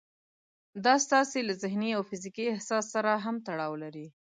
دا ستاسې له ذهني او فزيکي احساس سره هم تړاو لري.